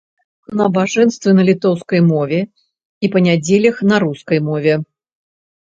Набажэнствы на літоўскай мове і, па нядзелях, на рускай мове.